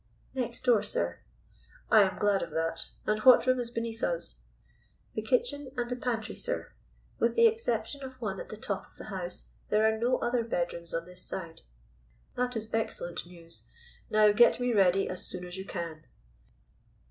"Next door, sir." "I am glad of that; and what room is beneath us?" "The kitchen and pantry, sir. With the exception of one at the top of the house, there are no other bedrooms on this side." "That is excellent news. Now get me ready as soon as you can."